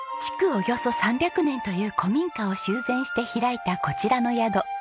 およそ３００年という古民家を修繕して開いたこちらの宿。